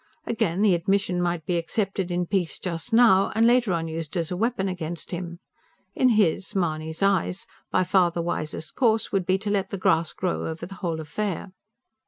Again, the admission might be accepted in peace just now, and later on used as a weapon against him. In his, Mahony's, eyes, by far the wisest course would be, to let the grass grow over the whole affair.